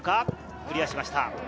クリアしました。